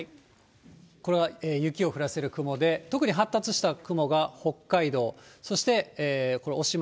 これは雪を降らせる雲で、特に発達した雲が北海道、そしてこれ、おしま